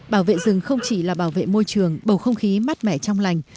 bảo vệ rừng không chỉ là bảo vệ môi trường bầu không khí mát mẻ trong lành